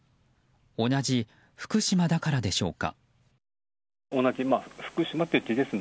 同じ福島だからでしょうか。